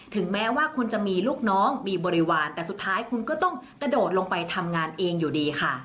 ถึงแม้ว่าคุณจะมีลูกน้องมีบริวารแต่สุดท้ายคุณก็ต้องกระโดดลงไปทำงานเองอยู่ดีค่ะ